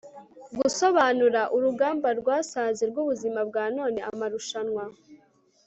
gusobanura. urugamba rwasaze rwubuzima bwa none; amarushanwa